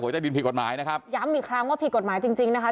ใต้ดินผิดกฎหมายนะครับย้ำอีกครั้งว่าผิดกฎหมายจริงจริงนะคะ